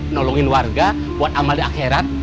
nolongin warga buat amal di akhirat